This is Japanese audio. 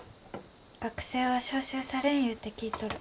学生は召集されんいうて聞いとる。